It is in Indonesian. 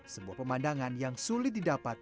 sebuah pemandangan yang sulit didapat